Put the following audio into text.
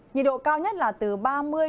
nhiệt độ cao nhất là từ ba mươi độ c